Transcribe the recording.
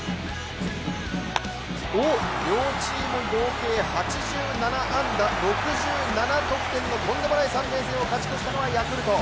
両チーム合計８７安打、６７得点のとんでもない３連戦を勝ち越したのはヤクルト。